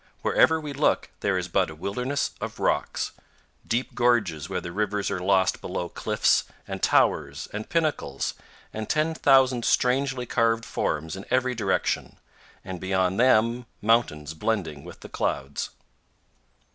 Wherever we look there is but a wilderness of rocks, deep gorges where the rivers are lost below cliffs and towers and pinnacles, and ten thousand strangely carved forms in every direction, and beyond them mountains blending with the clouds.